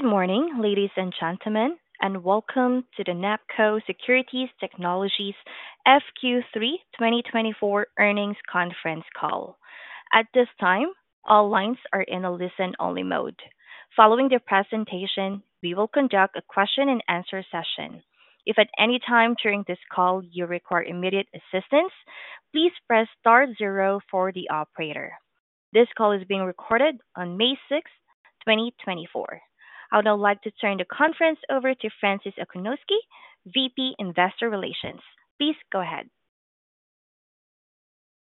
Good morning, ladies and gentlemen, and welcome to the NAPCO Security Technologies FQ3 2024 earnings conference call. At this time, all lines are in a listen-only mode. Following the presentation, we will conduct a question and answer session. If at any time during this call you require immediate assistance, please press star zero for the operator. This call is being recorded on May 6th, 2024. I would now like to turn the conference over to Francis Okoniewski, VP, Investor Relations. Please go ahead.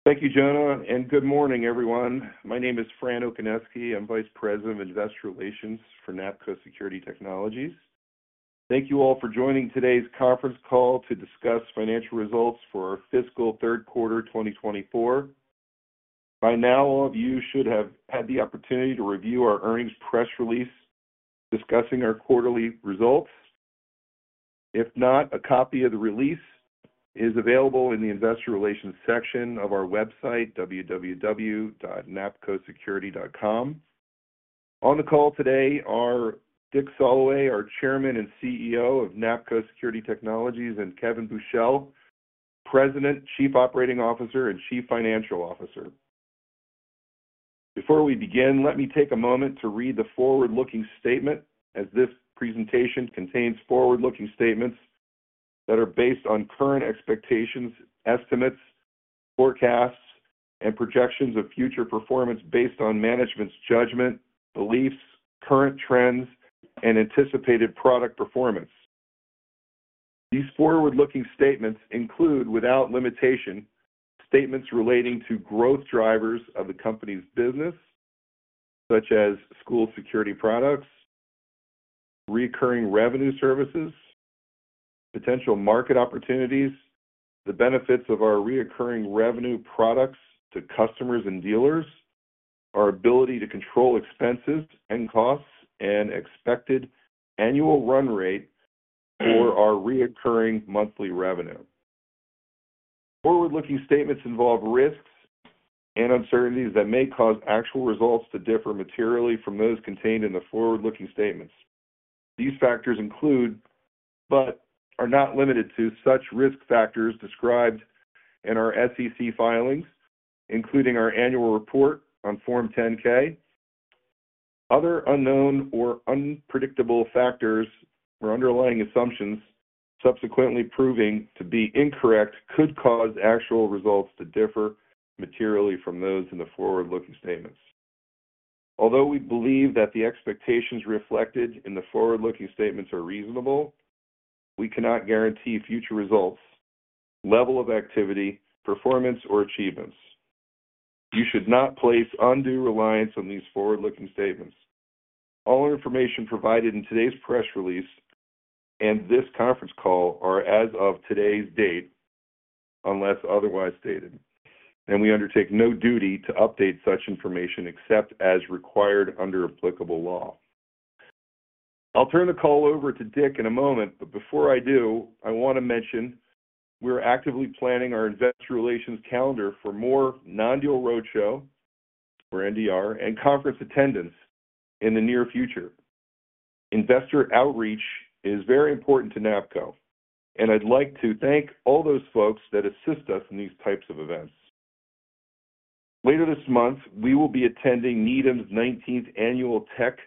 Thank you, Jonah, and good morning, everyone. My name is Francis Okoniewski. I'm Vice President of Investor Relations for NAPCO Security Technologies. Thank you all for joining today's conference call to discuss financial results for our fiscal third quarter, 2024. By now, all of you should have had the opportunity to review our earnings press release discussing our quarterly results. If not, a copy of the release is available in the Investor Relations section of our website, www.napcosecurity.com. On the call today are Dick Soloway, our Chairman and CEO of NAPCO Security Technologies, and Kevin Buchel, President, Chief Operating Officer, and Chief Financial Officer. Before we begin, let me take a moment to read the forward-looking statement, as this presentation contains forward-looking statements that are based on current expectations, estimates, forecasts, and projections of future performance based on management's judgment, beliefs, current trends, and anticipated product performance. These forward-looking statements include, without limitation, statements relating to growth drivers of the company's business, such as school security products, recurring revenue services, potential market opportunities, the benefits of our recurring revenue products to customers and dealers, our ability to control expenses and costs, and expected annual run rate for our recurring monthly revenue. Forward-looking statements involve risks and uncertainties that may cause actual results to differ materially from those contained in the forward-looking statements. These factors include, but are not limited to, such risk factors described in our SEC filings, including our annual report on Form 10-K. Other unknown or unpredictable factors or underlying assumptions subsequently proving to be incorrect could cause actual results to differ materially from those in the forward-looking statements. Although we believe that the expectations reflected in the forward-looking statements are reasonable, we cannot guarantee future results, level of activity, performance, or achievements. You should not place undue reliance on these forward-looking statements. All information provided in today's press release and this conference call are as of today's date, unless otherwise stated, and we undertake no duty to update such information except as required under applicable law. I'll turn the call over to Dick in a moment, but before I do, I want to mention we're actively planning our Investor Relations Calendar for more non-deal roadshow, or NDR, and conference attendance in the near future. Investor outreach is very important to NAPCO, and I'd like to thank all those folks that assist us in these types of events. Later this month, we will be attending Needham's 19th Annual Tech,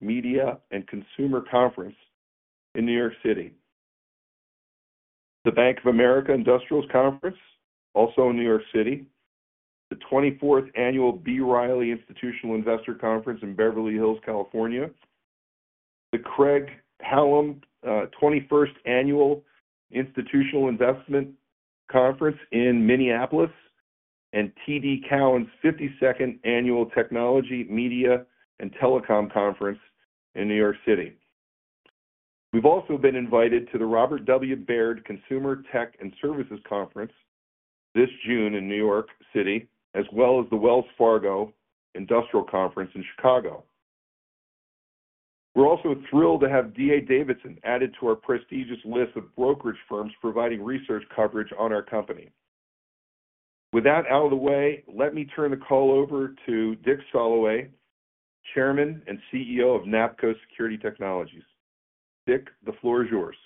Media, and Consumer Conference in New York City, the Bank of America Industrials Conference, also in New York City, the 24th Annual B. Riley Institutional Investor Conference in Beverly Hills, California, the Craig-Hallum 21st Annual Institutional Investment Conference in Minneapolis, and TD Cowen's 52nd Annual Technology, Media, and Telecom Conference in New York City. We've also been invited to the Robert W. Baird Consumer Tech and Services Conference this June in New York City, as well as the Wells Fargo Industrial Conference in Chicago. We're also thrilled to have D.A. Davidson added to our prestigious list of brokerage firms providing research coverage on our company. With that out of the way, let me turn the call over to Dick Soloway, Chairman and CEO of NAPCO Security Technologies. Dick, the floor is yours.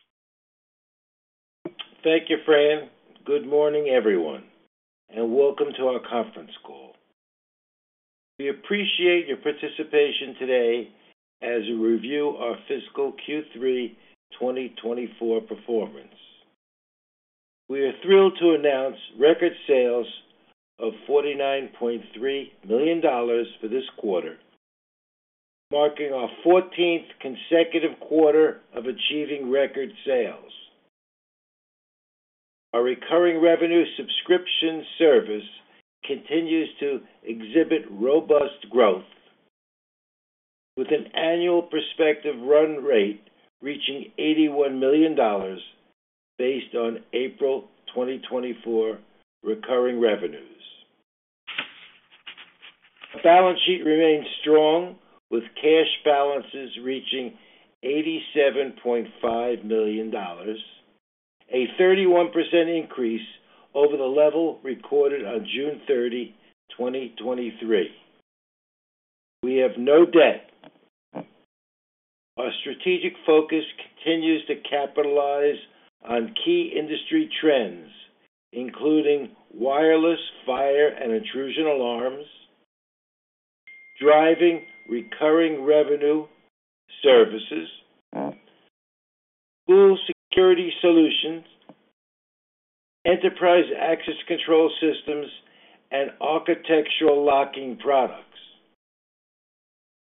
Thank you, Fran. Good morning, everyone, and welcome to our conference call. We appreciate your participation today as we review our fiscal Q3 2024 performance. We are thrilled to announce record sales of $49.3 million for this quarter, marking our 14th consecutive quarter of achieving record sales. Our recurring revenue subscription service continues to exhibit robust growth with an annual prospective run rate reaching $81 million, based on April 2024 recurring revenues. Our balance sheet remains strong, with cash balances reaching $87.5 million, a 31% increase over the level recorded on June 30, 2023. We have no debt. Our strategic focus continues to capitalize on key industry trends, including wireless, fire, and intrusion alarms, driving recurring revenue services, school security solutions, enterprise access control systems, and architectural locking products.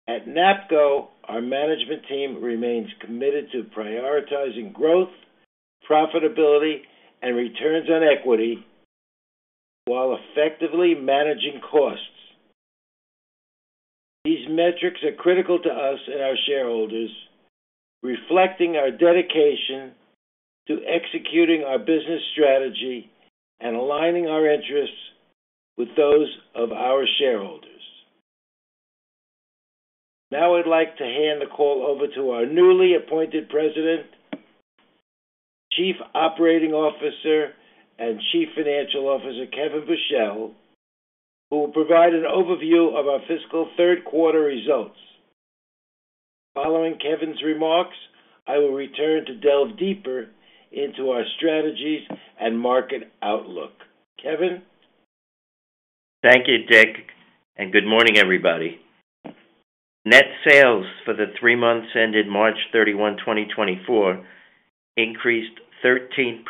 At NAPCO, our management team remains committed to prioritizing growth, profitability, and returns on equity, while effectively managing costs. These metrics are critical to us and our shareholders, reflecting our dedication to executing our business strategy and aligning our interests with those of our shareholders. Now I'd like to hand the call over to our newly appointed President, Chief Operating Officer, and Chief Financial Officer, Kevin Buchel, who will provide an overview of our fiscal third quarter results. Following Kevin's remarks, I will return to delve deeper into our strategies and market outlook. Kevin? Thank you, Dick, and good morning, everybody. Net sales for the three months ended March 31, 2024, increased 13%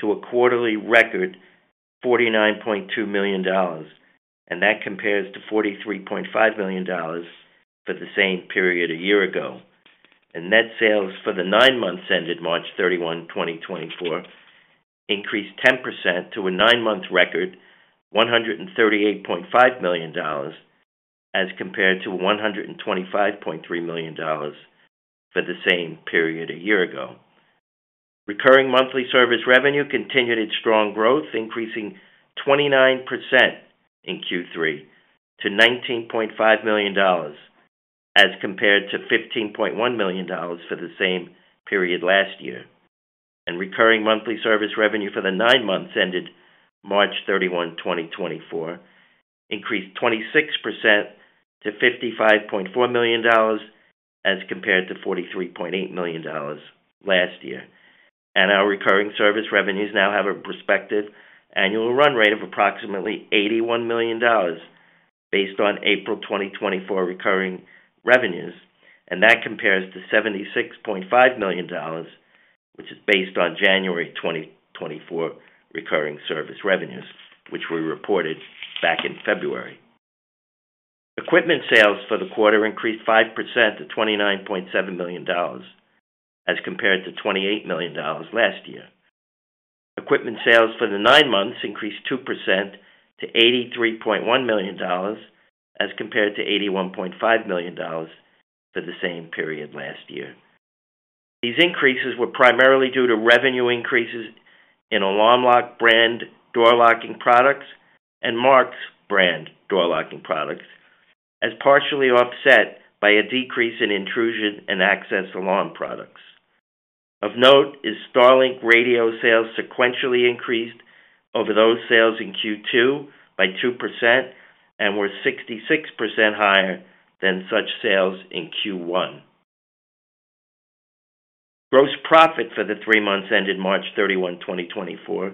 to a quarterly record $49.2 million, and that compares to $43.5 million for the same period a year ago. Net sales for the nine months ended March 31, 2024, increased 10% to a nine-month record $138.5 million, as compared to $125.3 million for the same period a year ago. Recurring monthly service revenue continued its strong growth, increasing 29% in Q3 to $19.5 million, as compared to $15.1 million for the same period last year. Recurring monthly service revenue for the nine months ended March 31, 2024, increased 26% to $55.4 million, as compared to $43.8 million last year. Our recurring service revenues now have a prospective annual run rate of approximately $81 million, based on April 2024 recurring revenues, and that compares to $76.5 million, which is based on January 2024 recurring service revenues, which we reported back in February. Equipment sales for the quarter increased 5% to $29.7 million, as compared to $28 million last year. Equipment sales for the nine months increased 2% to $83.1 million, as compared to $81.5 million for the same period last year. These increases were primarily due to revenue increases in Alarm Lock brand door locking products and Marks brand door locking products, as partially offset by a decrease in intrusion and access alarm products. Of note is StarLink radio sales sequentially increased over those sales in Q2 by 2% and were 66% higher than such sales in Q1. Gross profit for the three months ended March 31, 2024,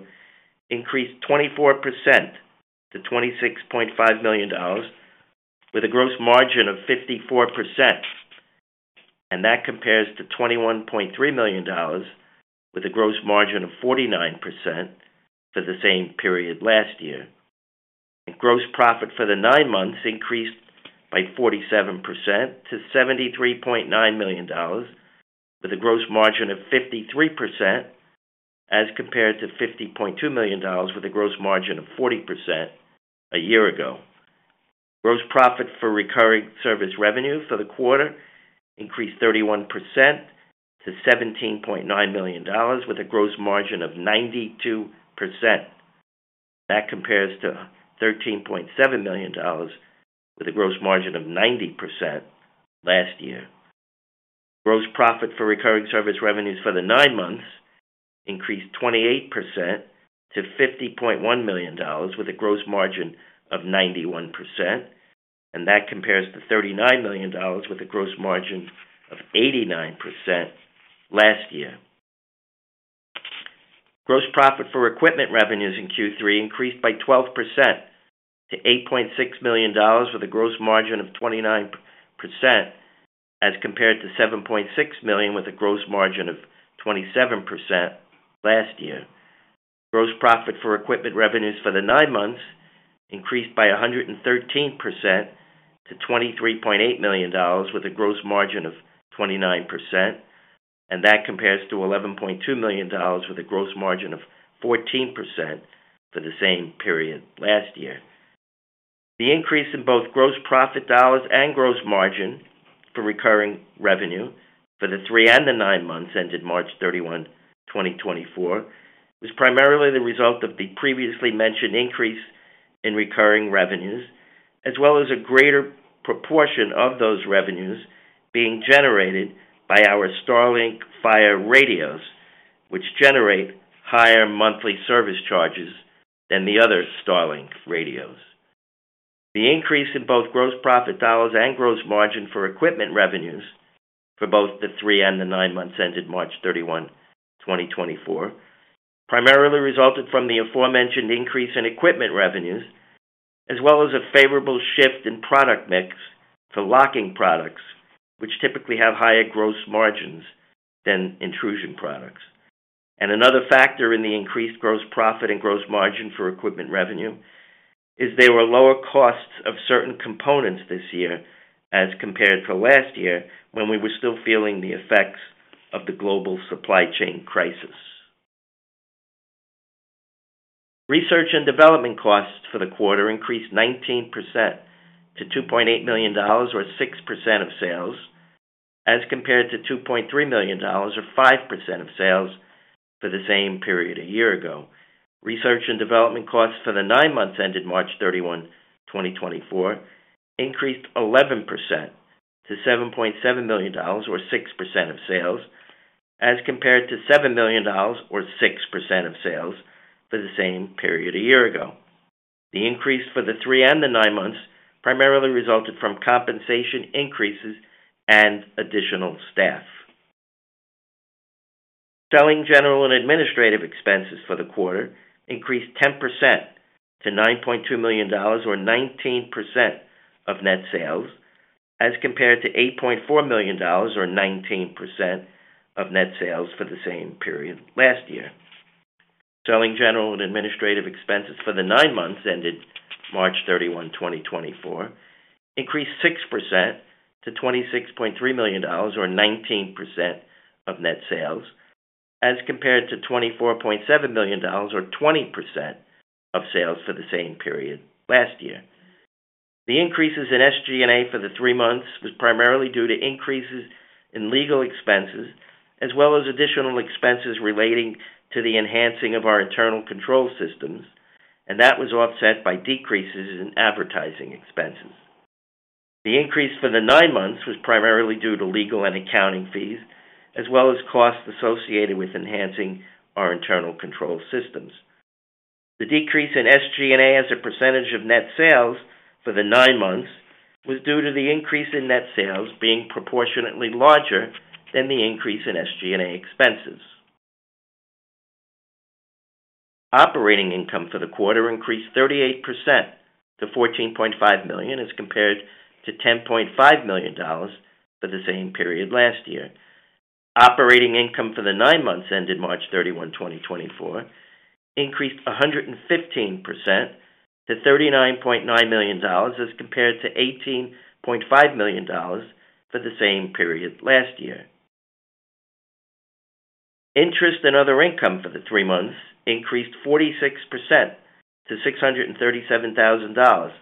increased 24% to $26.5 million, with a gross margin of 54%, and that compares to $21.3 million, with a gross margin of 49% for the same period last year. Gross profit for the nine months increased by 47% to $73.9 million, with a gross margin of 53%, as compared to $50.2 million, with a gross margin of 40% a year ago. Gross profit for recurring service revenue for the quarter increased 31% to $17.9 million, with a gross margin of 92%. That compares to $13.7 million, with a gross margin of 90% last year. Gross profit for recurring service revenues for the nine months increased 28% to $50.1 million, with a gross margin of 91%, and that compares to $39 million, with a gross margin of 89% last year. Gross profit for equipment revenues in Q3 increased by 12% to $8.6 million, with a gross margin of 29%, as compared to $7.6 million, with a gross margin of 27% last year. Gross profit for equipment revenues for the nine months increased by 113% to $23.8 million, with a gross margin of 29%, and that compares to $11.2 million, with a gross margin of 14% for the same period last year. The increase in both gross profit dollars and gross margin for recurring revenue for the three and the nine months ended March 31, 2024, was primarily the result of the previously mentioned increase... in recurring revenues, as well as a greater proportion of those revenues being generated by our StarLink Fire radios, which generate higher monthly service charges than the other StarLink radios. The increase in both gross profit dollars and gross margin for equipment revenues for both the three and the nine months ended March 31, 2024, primarily resulted from the aforementioned increase in equipment revenues, as well as a favorable shift in product mix to locking products, which typically have higher gross margins than intrusion products. Another factor in the increased gross profit and gross margin for equipment revenue is there were lower costs of certain components this year as compared to last year, when we were still feeling the effects of the global supply chain crisis. Research and development costs for the quarter increased 19% to $2.8 million, or 6% of sales, as compared to $2.3 million, or 5% of sales, for the same period a year ago. Research and development costs for the nine months ended March 31, 2024, increased 11% to $7.7 million, or 6% of sales, as compared to $7 million, or 6% of sales, for the same period a year ago. The increase for the three and the nine months primarily resulted from compensation increases and additional staff. Selling, general, and administrative expenses for the quarter increased 10% to $9.2 million, or 19% of net sales, as compared to $8.4 million, or 19% of net sales, for the same period last year. Selling, general, and administrative expenses for the nine months ended March 31, 2024, increased 6% to $26.3 million or 19% of net sales, as compared to $24.7 million, or 20% of sales, for the same period last year. The increases in SG&A for the three months was primarily due to increases in legal expenses, as well as additional expenses relating to the enhancing of our internal control systems, and that was offset by decreases in advertising expenses. The increase for the nine months was primarily due to legal and accounting fees, as well as costs associated with enhancing our internal control systems. The decrease in SG&A as a percentage of net sales for the nine months was due to the increase in net sales being proportionately larger than the increase in SG&A expenses. Operating income for the quarter increased 38% to $14.5 million, as compared to $10.5 million for the same period last year. Operating income for the nine months ended March 31, 2024, increased 115% to $39.9 million, as compared to $18.5 million for the same period last year. Interest and other income for the three months increased 46% to $637,000,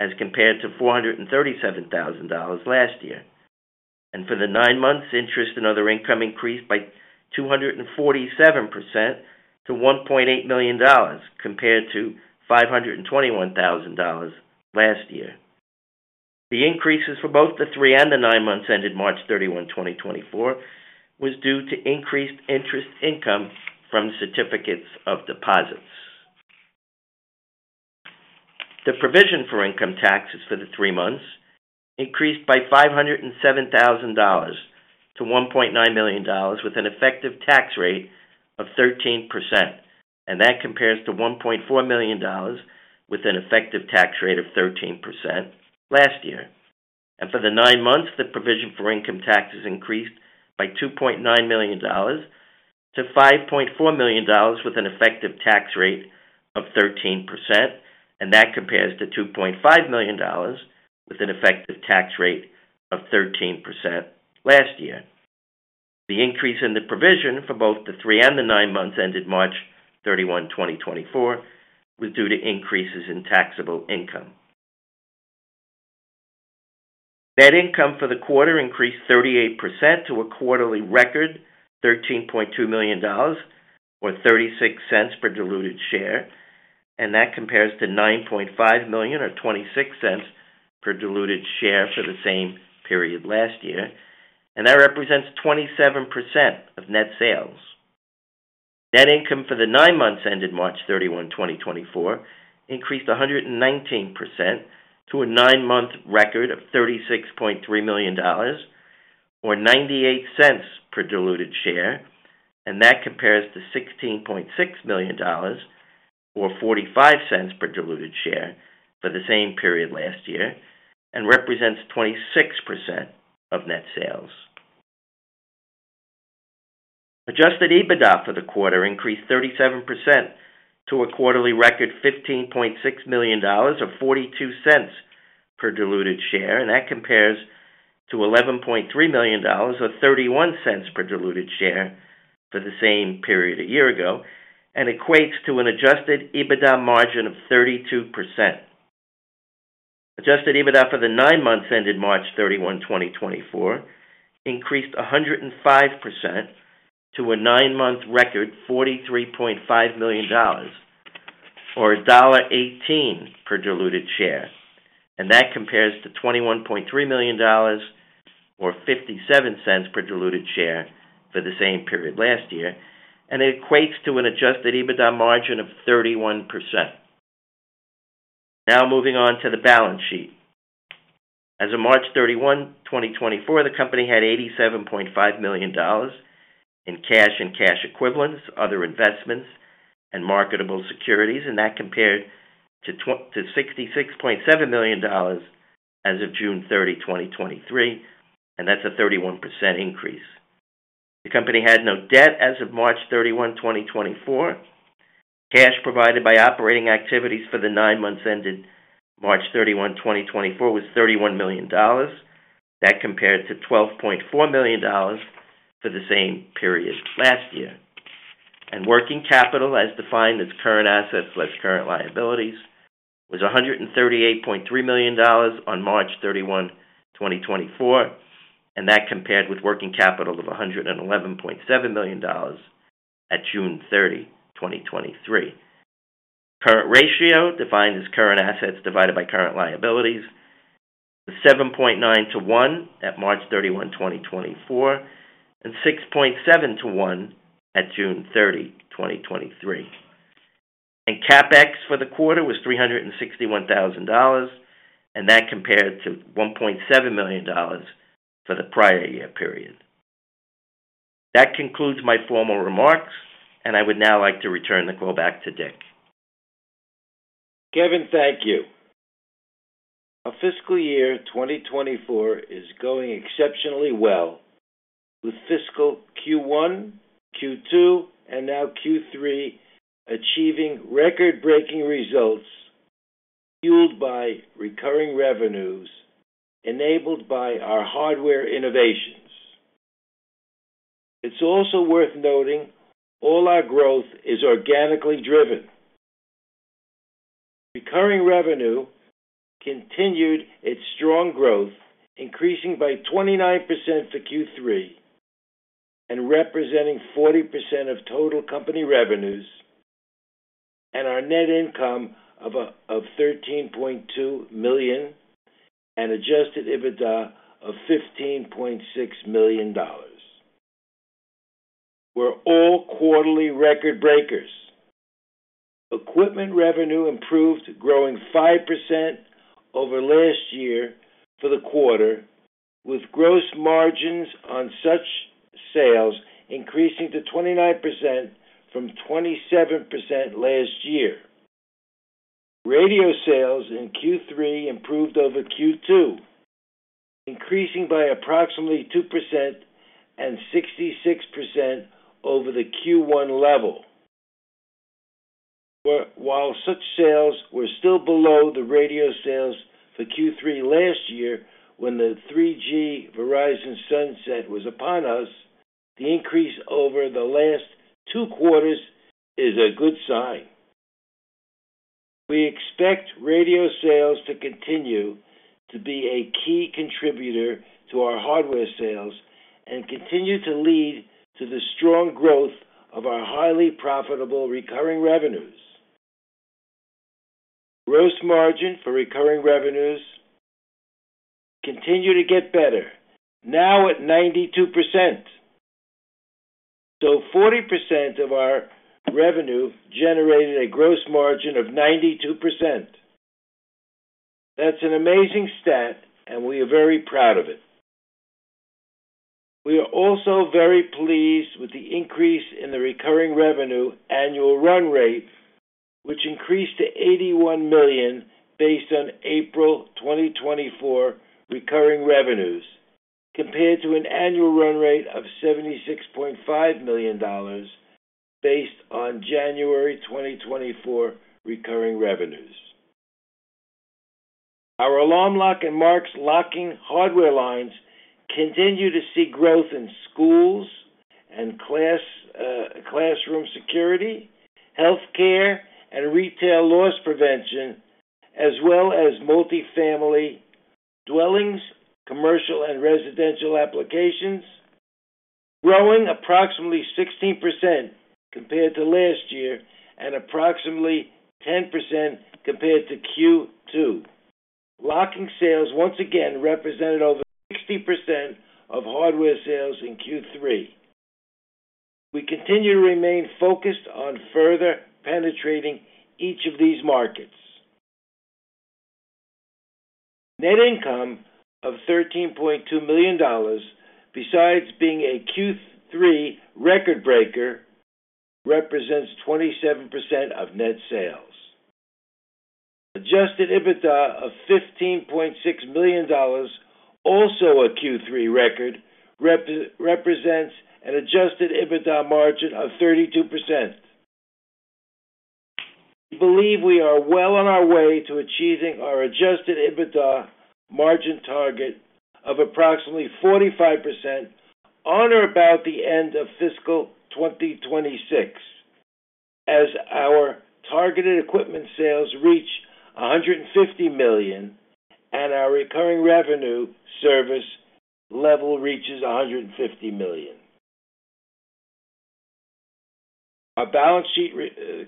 as compared to $437,000 last year. For the nine months, interest and other income increased by 247% to $1.8 million, compared to $521,000 last year. The increases for both the three and the nine months ended March 31, 2024, was due to increased interest income from certificates of deposit. The provision for income taxes for the three months increased by $507,000 to $1.9 million, with an effective tax rate of 13%, and that compares to $1.4 million, with an effective tax rate of 13% last year. For the nine months, the provision for income taxes increased by $2.9 million to $5.4 million, with an effective tax rate of 13%, and that compares to $2.5 million, with an effective tax rate of 13% last year. The increase in the provision for both the three and the nine months ended March 31, 2024, was due to increases in taxable income. Net income for the quarter increased 38% to a quarterly record, $13.2 million, or $0.36 per diluted share, and that compares to $9.5 million, or $0.26 per diluted share for the same period last year. That represents 27% of net sales. Net income for the nine months ended March 31, 2024, increased 119% to a nine-month record of $36.3 million, or $0.98 per diluted share, and that compares to $16.6 million, or $0.45 per diluted share, for the same period last year, and represents 26% of net sales. Adjusted EBITDA for the quarter increased 37% to a quarterly record, $15.6 million, or $0.42 per diluted share, and that compares to $11.3 million, or $0.31 per diluted share, for the same period a year ago, and equates to an adjusted EBITDA margin of 32%. Adjusted EBITDA for the nine months ended March 31, 2024, increased 105% to a nine-month record, $43.5 million, or $1.18 per diluted share, and that compares to $21.3 million or $0.57 per diluted share for the same period last year, and it equates to an adjusted EBITDA margin of 31%. Now moving on to the balance sheet. As of March 31, 2024, the company had $87.5 million in cash and cash equivalents, other investments, and marketable securities, and that compared to to $66.7 million as of June 30, 2023, and that's a 31% increase. The company had no debt as of March 31, 2024. Cash provided by operating activities for the nine months ended March 31, 2024, was $31 million. That compared to $12.4 million for the same period last year. Working capital, as defined as current assets plus current liabilities, was $138.3 million on March 31, 2024, and that compared with working capital of $111.7 million at June 30, 2023. Current ratio, defined as current assets divided by current liabilities, was 7.9 to 1 at March 31, 2024, and 6.7 to 1 at June 30, 2023. And CapEx for the quarter was $361,000, and that compared to $1.7 million for the prior year period. That concludes my formal remarks, and I would now like to return the call back to Dick. Kevin, thank you. Our fiscal year 2024 is going exceptionally well, with fiscal Q1, Q2, and now Q3 achieving record-breaking results, fueled by recurring revenues enabled by our hardware innovations. It's also worth noting all our growth is organically driven. Recurring revenue continued its strong growth, increasing by 29% for Q3 and representing 40% of total company revenues, and our net income of $13.2 million and adjusted EBITDA of $15.6 million. We're all quarterly record breakers. Equipment revenue improved, growing 5% over last year for the quarter, with gross margins on such sales increasing to 29% from 27% last year. Radio sales in Q3 improved over Q2, increasing by approximately 2% and 66% over the Q1 level. While such sales were still below the radio sales for Q3 last year, when the 3G Verizon sunset was upon us, the increase over the last two quarters is a good sign. We expect radio sales to continue to be a key contributor to our hardware sales and continue to lead to the strong growth of our highly profitable recurring revenues. Gross margin for recurring revenues continue to get better, now at 92%. So 40% of our revenue generated a gross margin of 92%. That's an amazing stat, and we are very proud of it. We are also very pleased with the increase in the recurring revenue annual run rate, which increased to $81 million based on April 2024 recurring revenues, compared to an annual run rate of $76.5 million based on January 2024 recurring revenues. Our Alarm Lock and Marks locking hardware lines continue to see growth in schools and classroom security, healthcare, and retail loss prevention, as well as multifamily dwellings, commercial and residential applications, growing approximately 16% compared to last year and approximately 10% compared to Q2. Locking sales once again represented over 60% of hardware sales in Q3. We continue to remain focused on further penetrating each of these markets. Net income of $13.2 million, besides being a Q3 record breaker, represents 27% of net sales. Adjusted EBITDA of $15.6 million, also a Q3 record, represents an adjusted EBITDA margin of 32%. We believe we are well on our way to achieving our adjusted EBITDA margin target of approximately 45% on or about the end of fiscal 2026. As our targeted equipment sales reach $150 million and our recurring revenue service level reaches $150 million. Our balance sheet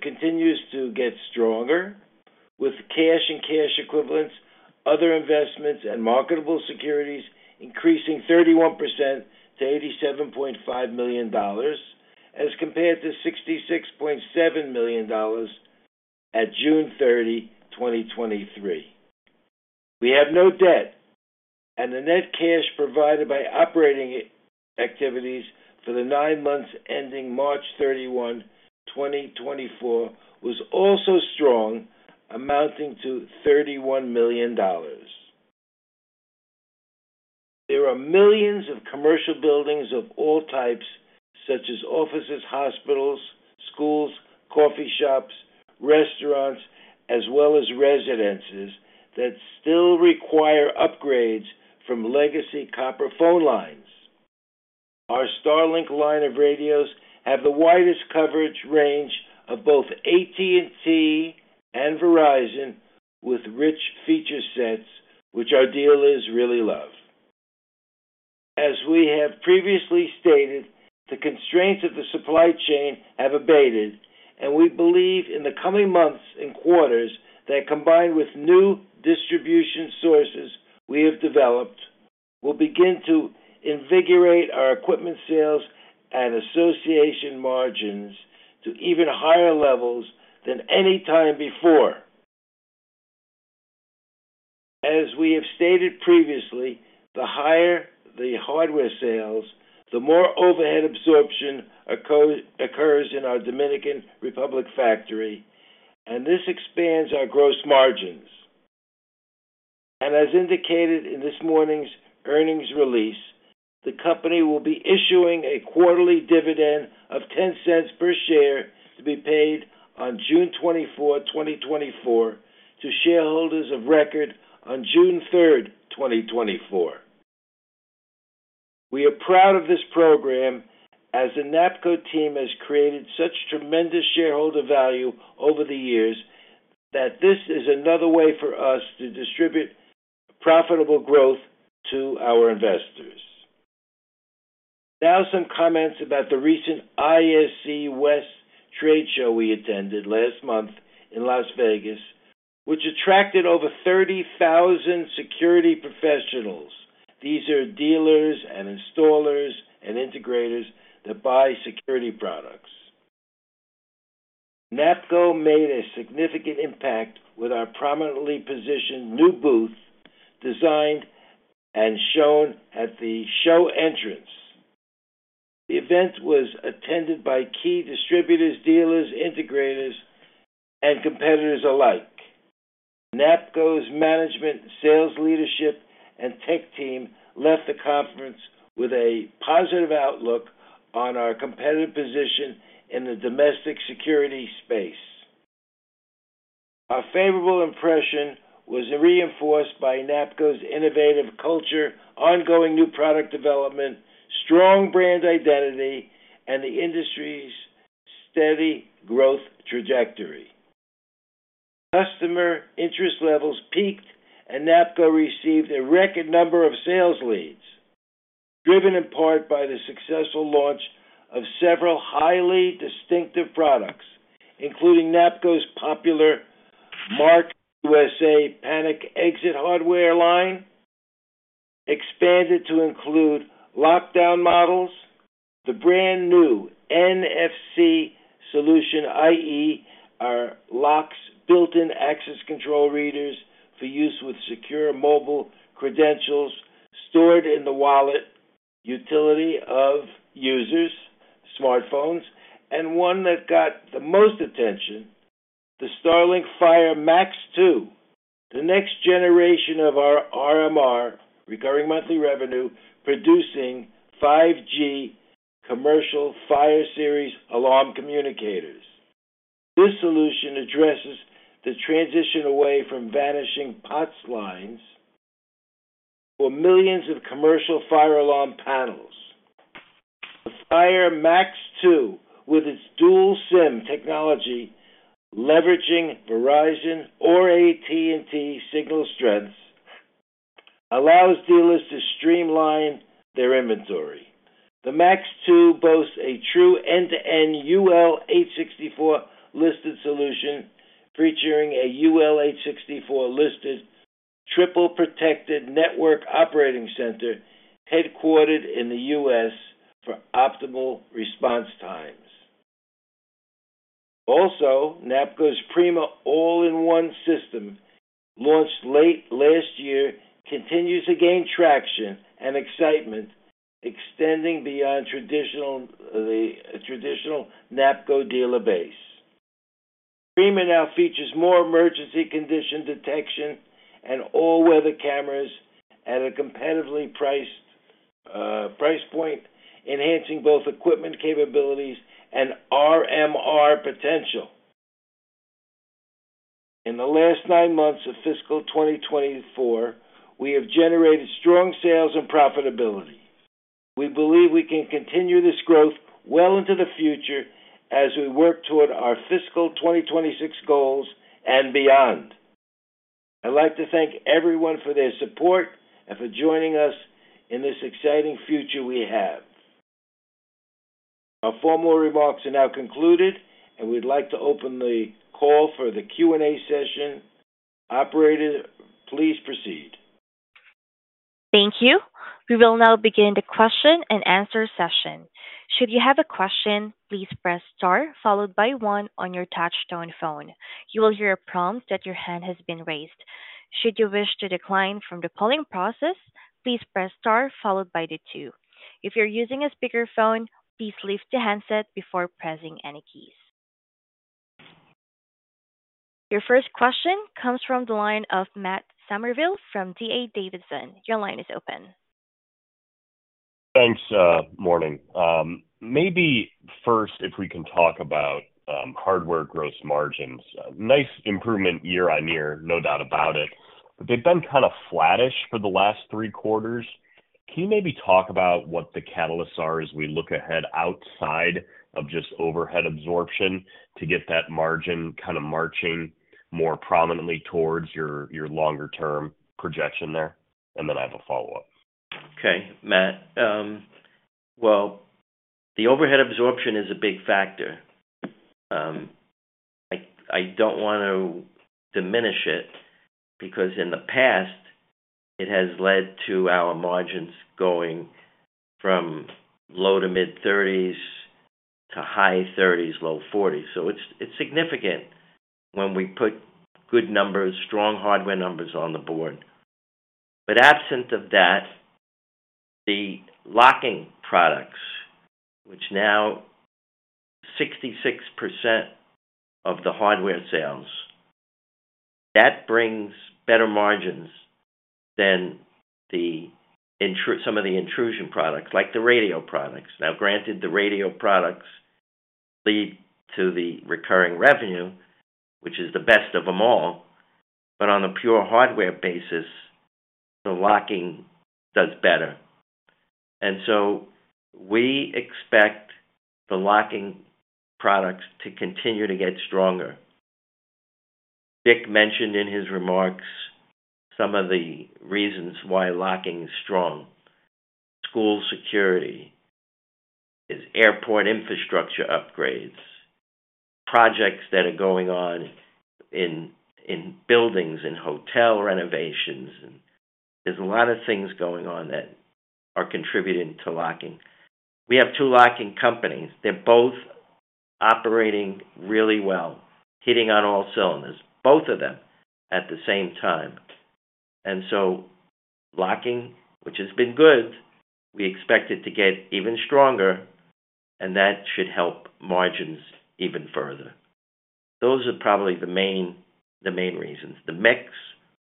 continues to get stronger, with cash and cash equivalents, other investments and marketable securities increasing 31% to $87.5 million, as compared to $66.7 million at June 30, 2023. We have no debt, and the net cash provided by operating activities for the nine months ending March 31, 2024, was also strong, amounting to $31 million. There are millions of commercial buildings of all types, such as offices, hospitals, schools, coffee shops, restaurants, as well as residences, that still require upgrades from legacy copper phone lines. Our StarLink line of radios have the widest coverage range of both AT&T and Verizon, with rich feature sets which our dealers really love. As we have previously stated, the constraints of the supply chain have abated, and we believe in the coming months and quarters that, combined with new distribution sources we have developed, will begin to invigorate our equipment sales and gross margins to even higher levels than any time before. As we have stated previously, the higher the hardware sales, the more overhead absorption occurs in our Dominican Republic factory, and this expands our gross margins. As indicated in this morning's earnings release, the company will be issuing a quarterly dividend of $0.10 per share to be paid on June 24, 2024, to shareholders of record on June 3, 2024. We are proud of this program, as the NAPCO team has created such tremendous shareholder value over the years, that this is another way for us to distribute profitable growth to our investors. Now, some comments about the recent ISC West trade show we attended last month in Las Vegas, which attracted over 30,000 security professionals. These are dealers and installers and integrators that buy security products. NAPCO made a significant impact with our prominently positioned new booth, designed and shown at the show entrance. The event was attended by key distributors, dealers, integrators, and competitors alike. NAPCO's management, sales leadership, and tech team left the conference with a positive outlook on our competitive position in the domestic security space. Our favorable impression was reinforced by NAPCO's innovative culture, ongoing new product development, strong brand identity, and the industry's steady growth trajectory. Customer interest levels peaked, and NAPCO received a record number of sales leads, driven in part by the successful launch of several highly distinctive products, including NAPCO's popular Marks USA panic exit hardware line, expanded to include lockdown models, the brand-new NFC solution, i.e., our locks' built-in access control readers for use with secure mobile credentials stored in the wallet utility of users' smartphones, and one that got the most attention, the StarLink Fire MAX 2, the next generation of our RMR, recurring monthly revenue, producing 5G commercial Fire Series alarm communicators. This solution addresses the transition away from vanishing POTS lines for millions of commercial fire alarm panels. The Fire MAX 2, with its dual SIM technology, leveraging Verizon or AT&T signal strengths, allows dealers to streamline their inventory. The MAX 2 boasts a true end-to-end UL 864 listed solution, featuring a UL 864 listed, triple-protected network operating center headquartered in the U.S. for optimal response times. Also, NAPCO's Prima all-in-one system, launched late last year, continues to gain traction and excitement, extending beyond the traditional NAPCO dealer base. Prima now features more emergency condition detection and all-weather cameras at a competitively priced price point, enhancing both equipment capabilities and RMR potential. ...In the last nine months of fiscal 2024, we have generated strong sales and profitability. We believe we can continue this growth well into the future as we work toward our fiscal 2026 goals and beyond. I'd like to thank everyone for their support and for joining us in this exciting future we have. Our formal remarks are now concluded, and we'd like to open the call for the Q&A session. Operator, please proceed. Thank you. We will now begin the question-and-answer session. Should you have a question, please press Star, followed by one on your touch-tone phone. You will hear a prompt that your hand has been raised. Should you wish to decline from the polling process, please press Star followed by the two. If you're using a speakerphone, please lift the handset before pressing any keys. Your first question comes from the line of Matt Summerville from D.A. Davidson. Your line is open. Thanks, morning. Maybe first, if we can talk about hardware gross margins. Nice improvement year-on-year, no doubt about it, but they've been kind of flattish for the last three quarters. Can you maybe talk about what the catalysts are as we look ahead outside of just overhead absorption, to get that margin kind of marching more prominently towards your, your longer-term projection there? And then I have a follow-up. Okay, Matt. Well, the overhead absorption is a big factor. I, I don't want to diminish it, because in the past, it has led to our margins going from low- to mid-30s to high 30s, low 40s. So it's, it's significant when we put good numbers, strong hardware numbers on the board. But absent of that, the locking products, which now 66% of the hardware sales, that brings better margins than some of the intrusion products, like the radio products. Now, granted, the radio products lead to the recurring revenue, which is the best of them all, but on a pure hardware basis, the locking does better. And so we expect the locking products to continue to get stronger. Dick mentioned in his remarks some of the reasons why locking is strong. School security, airport infrastructure upgrades, projects that are going on in buildings and hotel renovations, and there's a lot of things going on that are contributing to locking. We have two locking companies. They're both operating really well, hitting on all cylinders, both of them at the same time. And so locking, which has been good, we expect it to get even stronger, and that should help margins even further. Those are probably the main, the main reasons. The mix,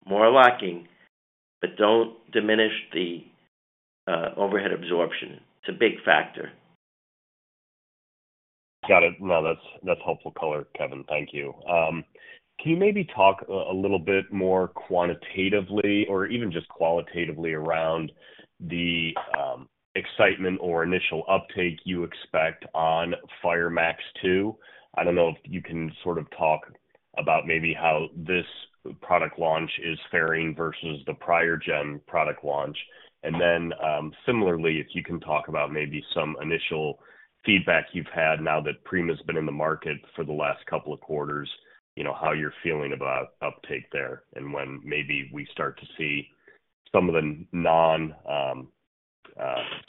more locking, but don't diminish the overhead absorption. It's a big factor. Got it. No, that's helpful color, Kevin. Thank you. Can you maybe talk a little bit more quantitatively or even just qualitatively around the excitement or initial uptake you expect on Fire MAX 2? I don't know if you can sort of talk about maybe how this product launch is faring versus the prior gen product launch. And then, similarly, if you can talk about maybe some initial feedback you've had now that Prima's been in the market for the last couple of quarters, you know, how you're feeling about uptake there and when maybe we start to see some of the non-Fire,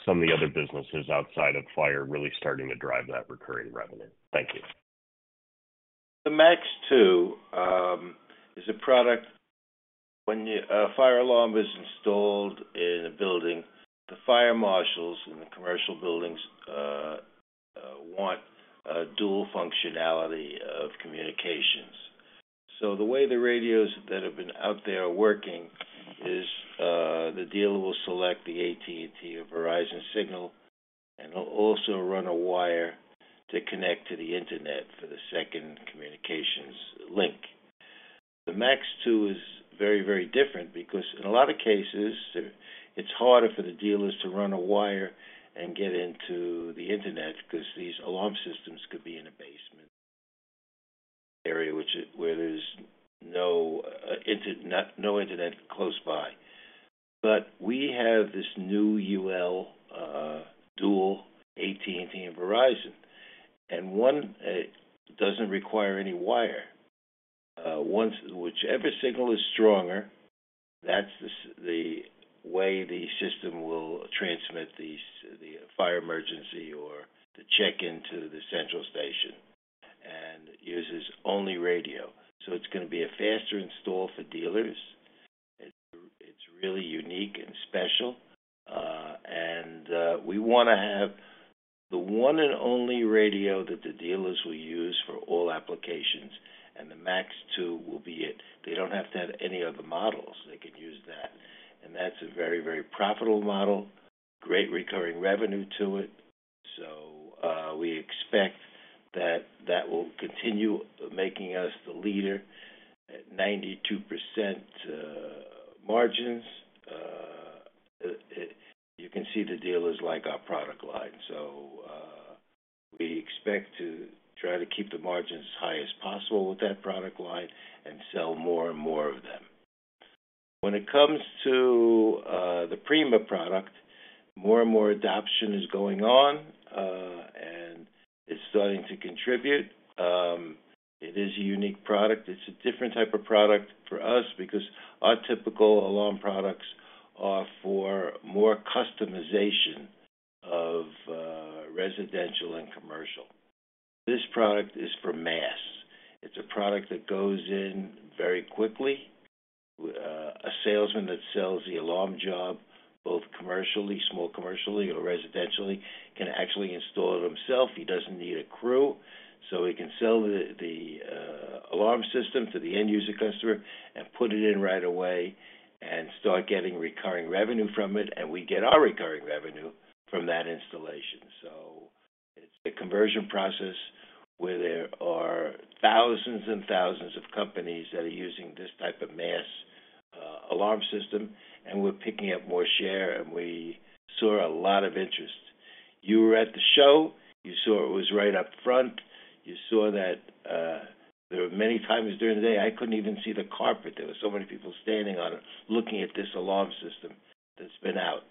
some of the other businesses outside of Fire really starting to drive that recurring revenue. Thank you. The MAX 2 is a product when a fire alarm is installed in a building, the fire marshals in the commercial buildings want a dual functionality of communications. So the way the radios that have been out there are working is, the dealer will select the AT&T or Verizon signal and will also run a wire to connect to the internet for the second communications link. The MAX 2 is very, very different because in a lot of cases, it's harder for the dealers to run a wire and get into the internet because these alarm systems could be in a basement area, which is where there's no internet close by. But we have this new UL dual AT&T and Verizon, and one doesn't require any wire. Once whichever signal is stronger, that's the way the system will transmit these, the fire emergency or the check into the central station, and uses only radio. So it's gonna be a faster install for dealers. It's, it's really unique and special, and, we wanna have the one and only radio that the dealers will use for all applications, and the MAX 2 will be it. They don't have to have any other models. They could use that, and that's a very, very profitable model, great recurring revenue to it. We expect that that will continue making us the leader at 92%, margins. You can see the dealers like our product line. So, we expect to try to keep the margins as high as possible with that product line and sell more and more of them. When it comes to the Prima product, more and more adoption is going on, and it's starting to contribute. It is a unique product. It's a different type of product for us because our typical alarm products are for more customization of residential and commercial. This product is for mass. It's a product that goes in very quickly. A salesman that sells the alarm job, both commercially, small commercially, or residentially, can actually install it himself. He doesn't need a crew, so he can sell the alarm system to the end user customer and put it in right away and start getting recurring revenue from it. We get our recurring revenue from that installation. So it's a conversion process where there are thousands and thousands of companies that are using this type of mass alarm system, and we're picking up more share, and we saw a lot of interest. You were at the show, you saw it was right up front. You saw that there were many times during the day I couldn't even see the carpet. There were so many people standing on it, looking at this alarm system that's been out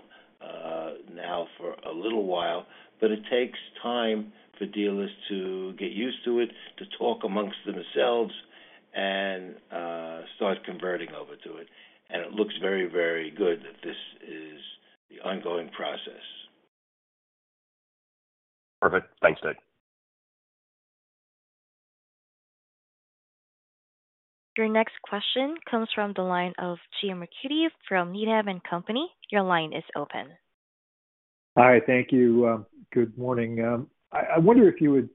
now for a little while. But it takes time for dealers to get used to it, to talk among themselves and start converting over to it. And it looks very, very good that this is the ongoing process. Perfect. Thanks, Dick. Your next question comes from the line of Jim Ricchiuti from Needham & Co. Your line is open. Hi, thank you. Good morning. I wonder if you would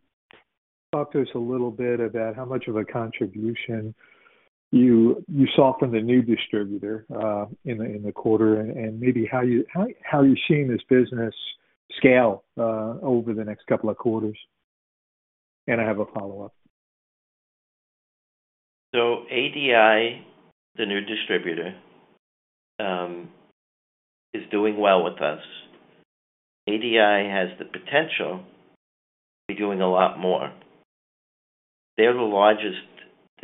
talk to us a little bit about how much of a contribution you saw from the new distributor in the quarter, and maybe how you're seeing this business scale over the next couple of quarters. And I have a follow-up. So ADI, the new distributor, is doing well with us. ADI has the potential to be doing a lot more. They're the largest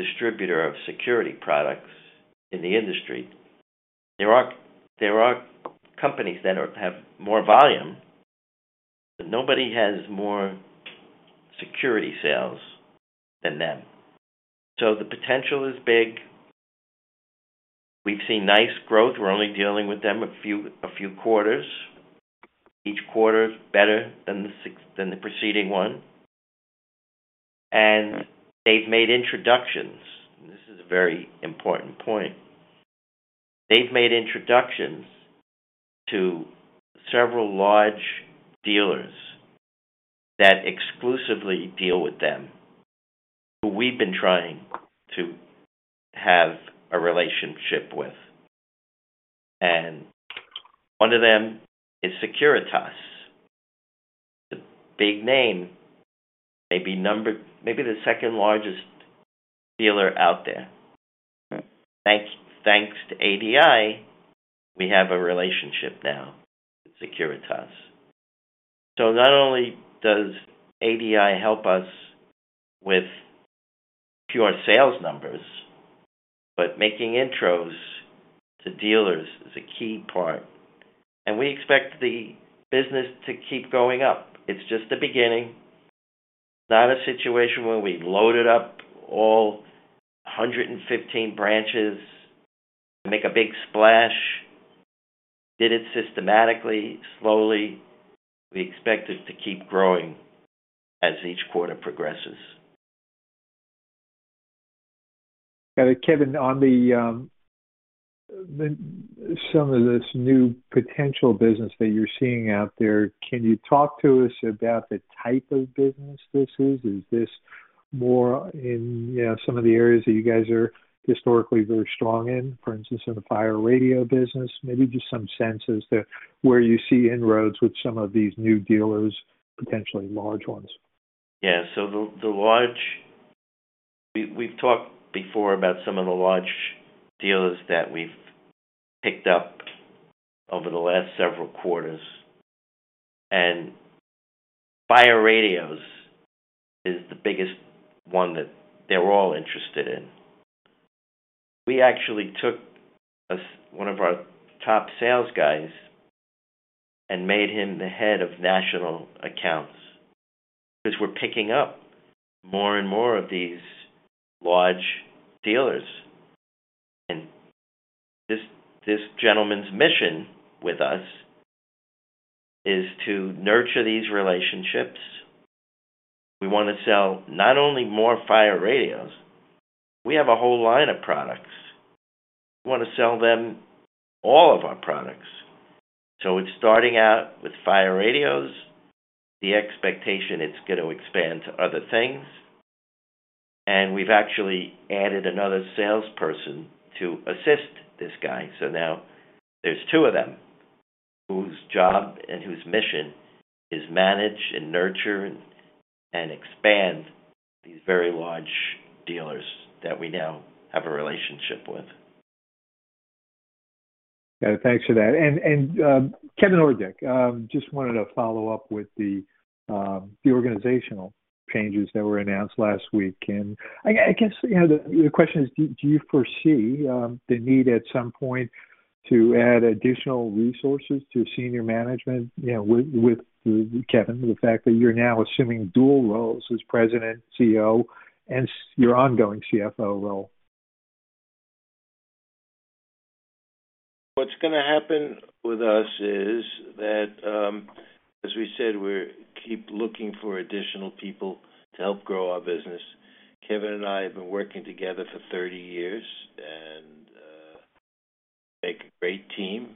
distributor of security products in the industry. There are companies that have more volume, but nobody has more security sales than them. So the potential is big. We've seen nice growth. We're only dealing with them a few quarters. Each quarter is better than the preceding one, and they've made introductions. This is a very important point. They've made introductions to several large dealers that exclusively deal with them, who we've been trying to have a relationship with, and one of them is Securitas, the big name, maybe number... Maybe the second-largest dealer out there. Thanks to ADI, we have a relationship now with Securitas. So not only does ADI help us with pure sales numbers, but making intros to dealers is a key part, and we expect the business to keep going up. It's just the beginning. Not a situation where we loaded up all 115 branches to make a big splash. Did it systematically, slowly. We expect it to keep growing as each quarter progresses. Kevin, on some of this new potential business that you're seeing out there, can you talk to us about the type of business this is? Is this more in, you know, some of the areas that you guys are historically very strong in, for instance, in the fire radio business? Maybe just some sense as to where you see inroads with some of these new dealers, potentially large ones. Yeah. So the large. We've talked before about some of the large dealers that we've picked up over the last several quarters, and fire radios is the biggest one that they're all interested in. We actually took one of our top sales guys and made him the head of national accounts, because we're picking up more and more of these large dealers. And this gentleman's mission with us is to nurture these relationships. We want to sell not only more fire radios, we have a whole line of products. We want to sell them all of our products. So it's starting out with fire radios. The expectation, it's going to expand to other things. And we've actually added another salesperson to assist this guy. So now there's two of them, whose job and whose mission is manage and nurture and expand these very large dealers that we now have a relationship with. Yeah, thanks for that. And Kevin Buchel, just wanted to follow-up with the organizational changes that were announced last week. And I guess, you know, the question is, do you foresee the need at some point to add additional resources to senior management, you know, with Kevin, the fact that you're now assuming dual roles as President, COO, and your ongoing CFO role? What's gonna happen with us is that, as we said, we're keep looking for additional people to help grow our business. Kevin and I have been working together for 30 years, and make a great team,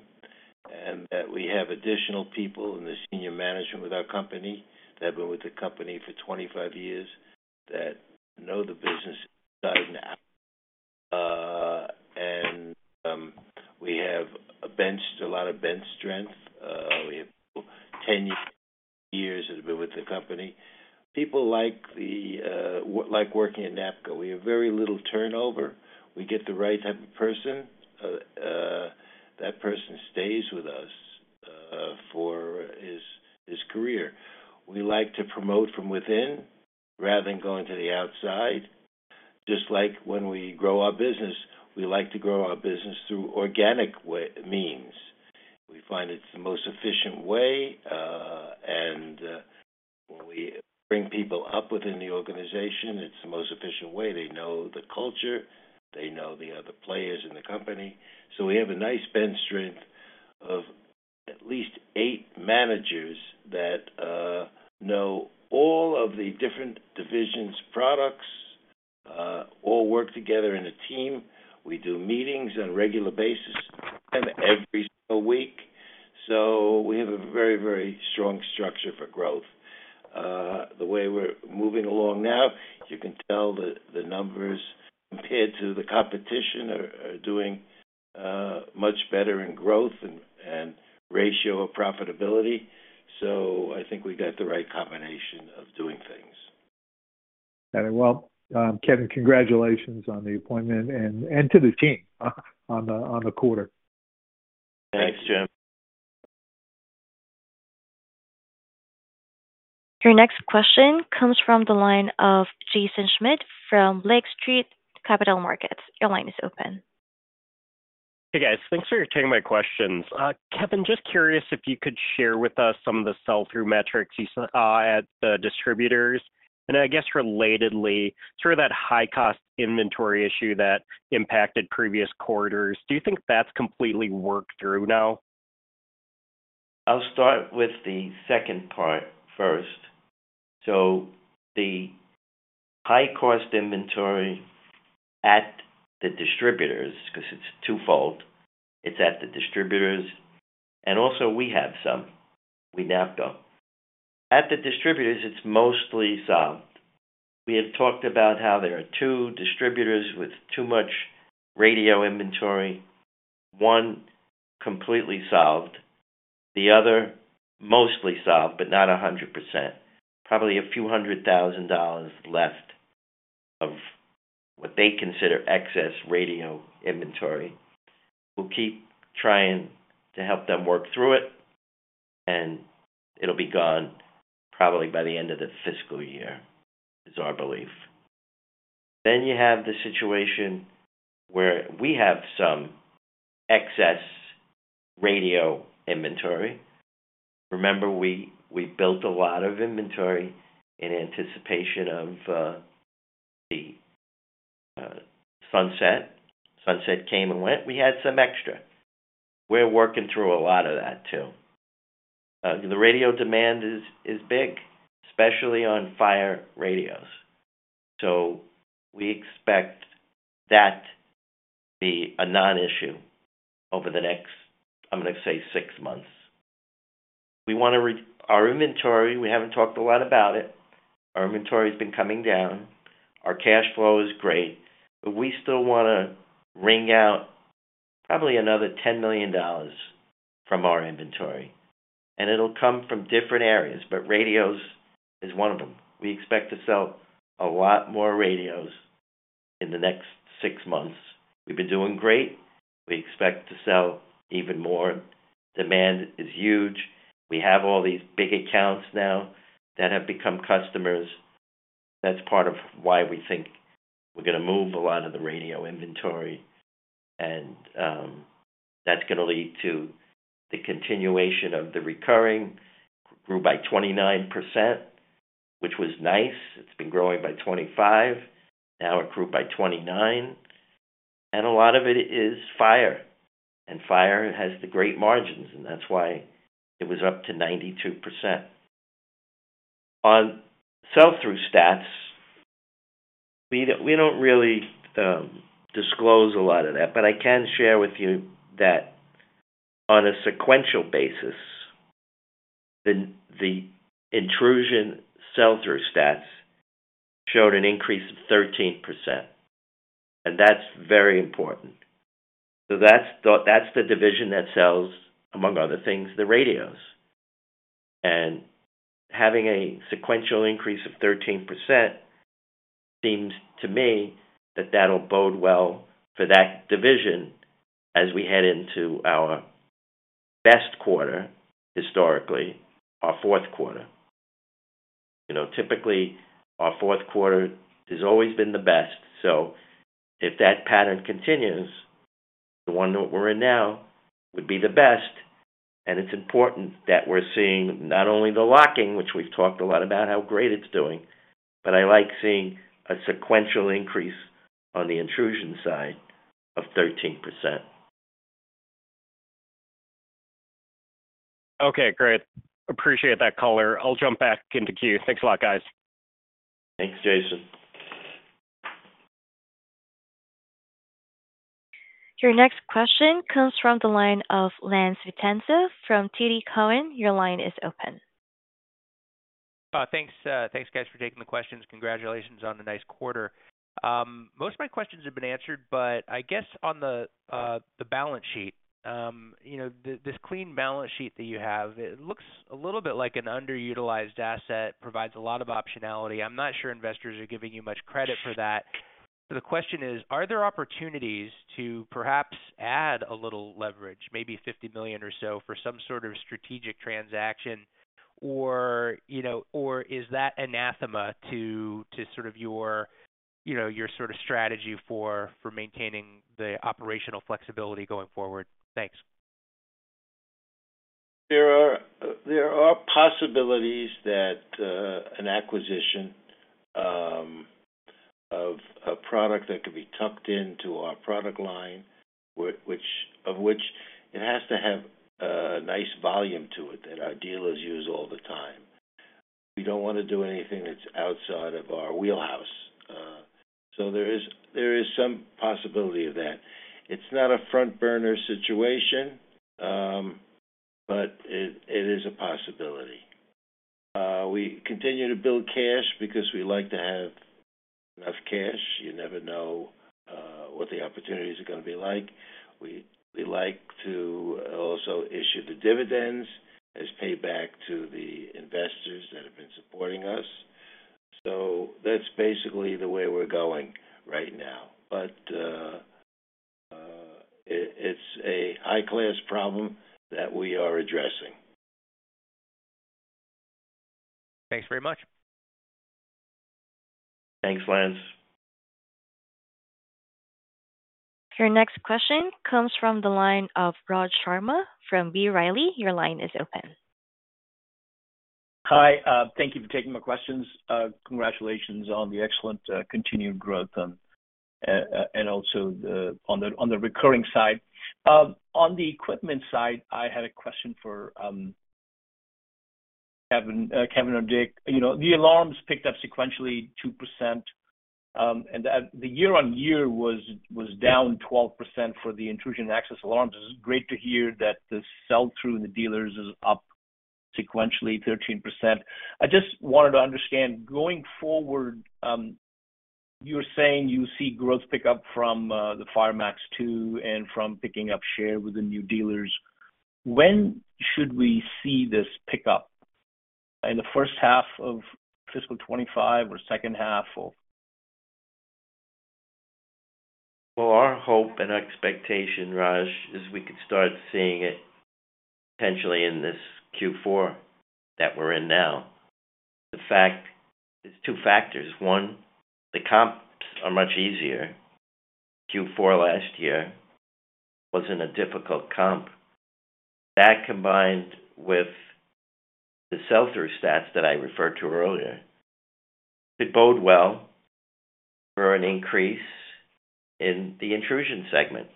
and that we have additional people in the senior management with our company, that have been with the company for 25 years, that know the business inside out. We have a bench, a lot of bench strength. We have 10 years that have been with the company. People like the, like working at NAPCO. We have very little turnover. We get the right type of person, that person stays with us, for his career. We like to promote from within rather than going to the outside. Just like when we grow our business, we like to grow our business through organic way, means. We find it's the most efficient way, and, when we bring people up within the organization, it's the most efficient way. They know the culture. They know the other players in the company. So we have a nice bench strength of at least eight managers that know all of the different divisions, products, all work together in a team. We do meetings on a regular basis, and every single week, so we have a very, very strong structure for growth. The way we're moving along now, you can tell that the numbers, compared to the competition, are doing much better in growth and ratio of profitability. So I think we got the right combination of doing things. Very well. Kevin, congratulations on the appointment and to the team on the quarter. Thanks, Jim. Your next question comes from the line of Jaeson Schmidt from Lake Street Capital Markets. Your line is open. Hey, guys. Thanks for taking my questions. Kevin, just curious if you could share with us some of the sell-through metrics you saw at the distributors. And I guess relatedly, sort of that high cost inventory issue that impacted previous quarters, do you think that's completely worked through now? I'll start with the second part first. So the high cost inventory at the distributors, 'cause it's twofold. It's at the distributors, and also we have some, we NAPCO. At the distributors, it's mostly solved. We have talked about how there are two distributors with too much radio inventory. One, completely solved, the other, mostly solved, but not 100%. Probably a few $100,000 left of what they consider excess radio inventory. We'll keep trying to help them work through it, and it'll be gone probably by the end of the fiscal year, is our belief. Then you have the situation where we have some excess radio inventory. Remember, we built a lot of inventory in anticipation of the sunset. Sunset came and went. We had some extra. We're working through a lot of that, too. The radio demand is big, especially on fire radios, so we expect that to be a non-issue over the next, I'm gonna say six months. Our inventory, we haven't talked a lot about it. Our inventory has been coming down. Our cash flow is great, but we still wanna wring out probably another $10 million from our inventory, and it'll come from different areas, but radios is one of them. We expect to sell a lot more radios in the next six months. We've been doing great. We expect to sell even more. Demand is huge. We have all these big accounts now that have become customers. That's part of why we think we're gonna move a lot of the radio inventory, and that's gonna lead to the continuation of the recurring, grew by 29%, which was nice. It's been growing by 25%, now it grew by 29%, and a lot of it is Fire. And Fire has the great margins, and that's why it was up to 92%. On sell-through stats, we don't really disclose a lot of that, but I can share with you that on a sequential basis... The intrusion sell-through stats showed an increase of 13%, and that's very important. So that's the division that sells, among other things, the radios. And having a sequential increase of 13% seems to me that that'll bode well for that division as we head into our best quarter historically, our fourth quarter. You know, typically, our fourth quarter has always been the best, so if that pattern continues, the one that we're in now would be the best, and it's important that we're seeing not only the locking, which we've talked a lot about how great it's doing, but I like seeing a sequential increase on the intrusion side of 13%. Okay, great. Appreciate that color. I'll jump back into queue. Thanks a lot, guys. Thanks, Jaeson. Your next question comes from the line of Lance Vitanza from TD Cowen. Your line is open. Thanks, guys, for taking the questions. Congratulations on the nice quarter. Most of my questions have been answered, but I guess on the balance sheet, you know, this clean balance sheet that you have, it looks a little bit like an underutilized asset, provides a lot of optionality. I'm not sure investors are giving you much credit for that. So the question is: Are there opportunities to perhaps add a little leverage, maybe $50 million or so, for some sort of strategic transaction? Or, you know, or is that anathema to sort of your strategy for maintaining the operational flexibility going forward? Thanks. There are possibilities that an acquisition of a product that could be tucked into our product line, which it has to have a nice volume to it that our dealers use all the time. We don't want to do anything that's outside of our wheelhouse. So there is some possibility of that. It's not a front-burner situation, but it is a possibility. We continue to build cash because we like to have enough cash. You never know what the opportunities are gonna be like. We like to also issue the dividends as payback to the investors that have been supporting us. So that's basically the way we're going right now. But it's a high-class problem that we are addressing. Thanks very much. Thanks, Lance. Your next question comes from the line of Raj Sharma from B. Riley. Your line is open. Hi, thank you for taking my questions. Congratulations on the excellent continued growth and also the, on the, on the recurring side. On the equipment side, I had a question for Kevin or Dick. You know, the alarms picked up sequentially 2%, and the year-on-year was down 12% for the intrusion and access alarms. It's great to hear that the sell-through in the dealers is up sequentially 13%. I just wanted to understand, going forward, you're saying you see growth pick up from the Fire MAX 2 and from picking up share with the new dealers. When should we see this pick up? In the first half of fiscal 2025 or second half or? Well, our hope and expectation, Raj, is we could start seeing it potentially in this Q4 that we're in now. The fact... There's two factors. One, the comps are much easier. Q4 last year was in a difficult comp. That, combined with the sell-through stats that I referred to earlier, could bode well for an increase in the intrusion segment.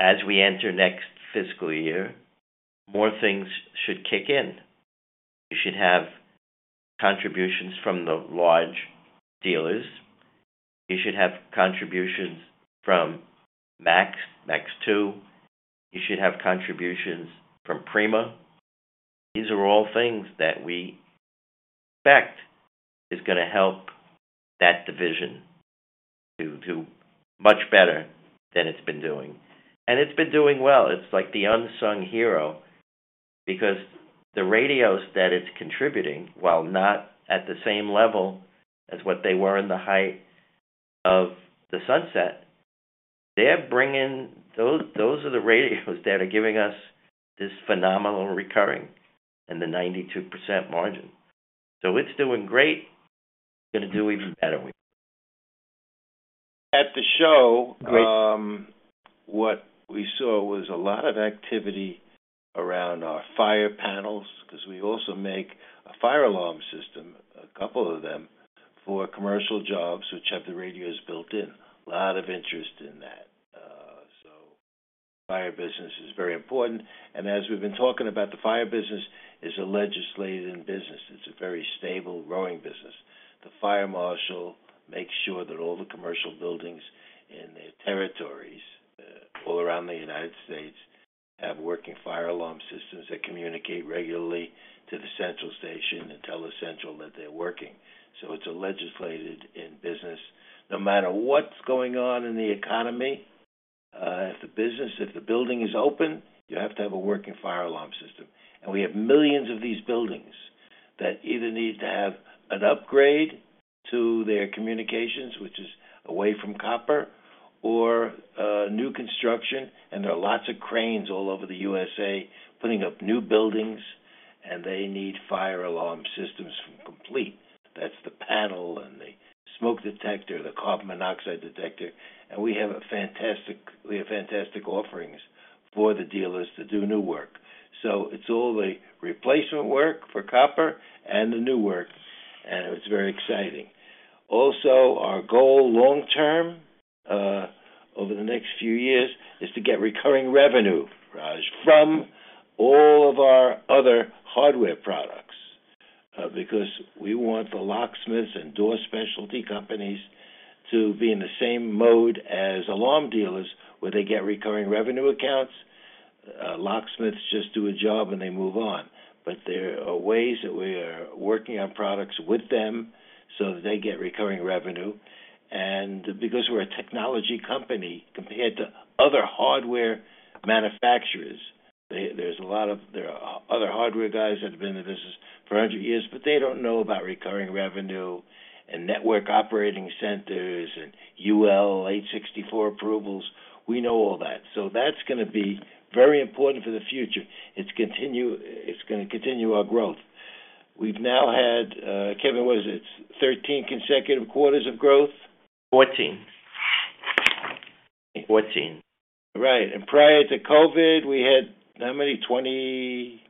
As we enter next fiscal year, more things should kick in. You should have contributions from the large dealers. You should have contributions from MAX, MAX 2. You should have contributions from Prima. These are all things that we expect is gonna help that division do, do much better than it's been doing. And it's been doing well. It's like the unsung hero because the radios that it's contributing, while not at the same level as what they were in the height of the sunset, they're bringing—those, those are the radios that are giving us this phenomenal recurring and the 92% margin. So it's doing great, gonna do even better. At the show, what we saw was a lot of activity around our fire panels because we also make a fire alarm system, a couple of them, for commercial jobs which have the radios built in. A lot of interest in that. So fire business is very important, and as we've been talking about, the fire business is a legislated business. It's a very stable, growing business. The fire marshal makes sure that all the commercial buildings in their territories.... all around the United States have working fire alarm systems that communicate regularly to the central station and tell the central that they're working. So it's a legislated in business. No matter what's going on in the economy, if the business, if the building is open, you have to have a working fire alarm system. And we have millions of these buildings that either need to have an upgrade to their communications, which is away from copper or new construction, and there are lots of cranes all over the USA putting up new buildings, and they need fire alarm systems complete. That's the panel and the smoke detector, the carbon monoxide detector, and we have fantastic offerings for the dealers to do new work. So it's all the replacement work for copper and the new work, and it's very exciting. Also, our goal long term, over the next few years, is to get recurring revenue, Raj, from all of our other hardware products. Because we want the locksmiths and door specialty companies to be in the same mode as alarm dealers, where they get recurring revenue accounts. Locksmiths just do a job, and they move on. But there are ways that we are working on products with them so that they get recurring revenue, and because we're a technology company compared to other hardware manufacturers, there are other hardware guys that have been in the business for 100 years, but they don't know about recurring revenue and network operating centers and UL 864 approvals. We know all that, so that's gonna be very important for the future. It's gonna continue our growth. We've now had, Kevin, what is it? 13 consecutive quarters of growth? 14. 14. Right. And prior to COVID, we had how many? 20,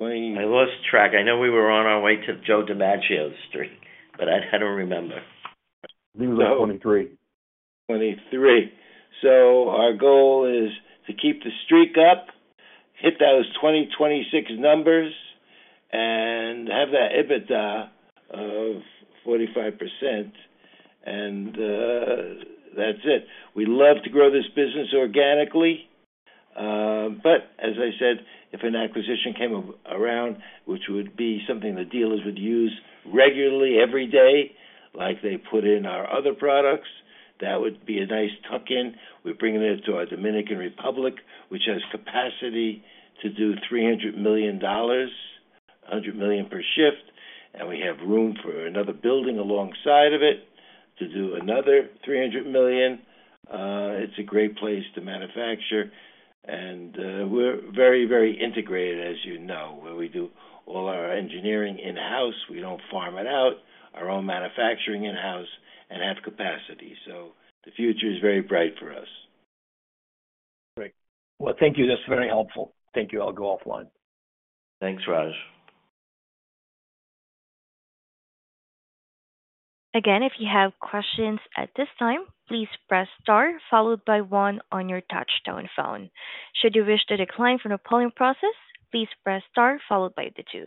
20- I lost track. I know we were on our way to Joe DiMaggio's streak, but I, I don't remember. I think it was 23. 23. So our goal is to keep the streak up, hit those 2026 numbers, and have that EBITDA of 45%, and, that's it. We love to grow this business organically, but as I said, if an acquisition came around, which would be something the dealers would use regularly every day, like they put in our other products, that would be a nice tuck in. We're bringing it to our Dominican Republic, which has capacity to do $300 million, $100 million per shift, and we have room for another building alongside of it to do another $300 million. It's a great place to manufacture, and, we're very, very integrated, as you know, where we do all our engineering in-house. We don't farm it out. Our own manufacturing in-house and have capacity, so the future is very bright for us. Great. Well, thank you. That's very helpful. Thank you. I'll go offline. Thanks, Raj. Again, if you have questions at this time, please press star followed by one on your touch-tone phone. Should you wish to decline from the polling process, please press star followed by the two.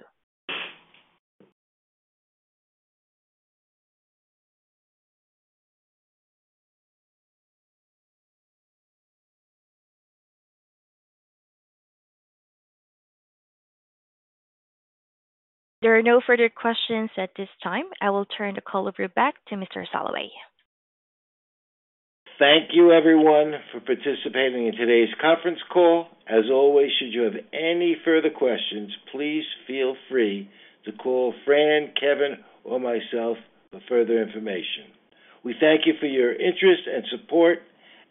There are no further questions at this time. I will turn the call over back to Mr. Soloway. Thank you, everyone, for participating in today's conference call. As always, should you have any further questions, please feel free to call Fran, Kevin, or myself for further information. We thank you for your interest and support,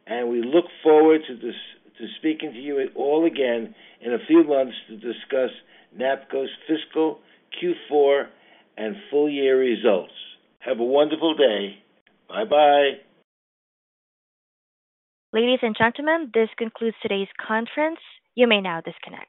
and we look forward to speaking to you all again in a few months to discuss NAPCO's fiscal Q4 and full year results. Have a wonderful day. Bye-bye. Ladies and gentlemen, this concludes today's conference. You may now disconnect.